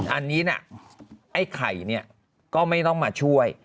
อันนี้นะไอ้ไข่เนี่ยก็ไม่ต้องมาช่วย